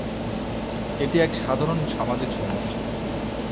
এটি এক সাধারণ সামাজিক সমস্যা।